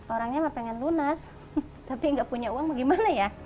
orangnya pengen lunas tapi nggak punya uang gimana ya